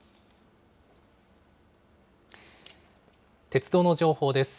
鉄道の情報です。